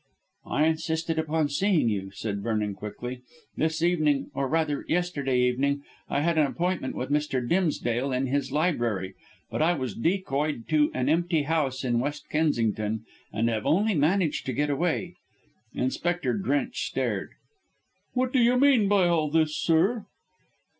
"I insisted upon seeing you," said Vernon quickly. "This evening or rather yesterday evening I had an appointment with Mr. Dimsdale in his library, but I was decoyed to an empty house in West Kensington, and have only managed to get away." Inspector Drench stared. "What do you mean by all this, sir?"